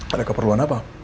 ada keperluan apa